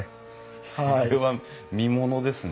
それは見ものですね。